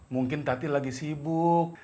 mungkin tati lagi sibuk